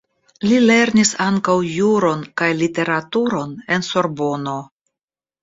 Li lernis ankaŭ juron kaj literaturon en Sorbono.